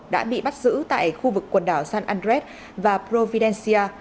đã bị bắt giữ tại khu vực quần đảo san andres và providencia